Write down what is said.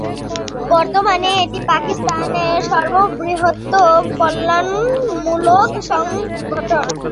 বর্তমানে এটি পাকিস্তানের সর্ববৃহৎ কল্যাণমূলক সংগঠন।